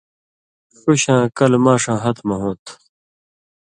ݜُو شاں کلہۡ ماݜاں ہتہۡ مہ ہوں تھہ،